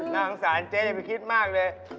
สงสารเจ๊อย่าไปคิดมากเลย